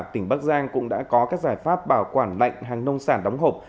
tỉnh bắc giang cũng đã có các giải pháp bảo quản lạnh hàng nông sản đóng hộp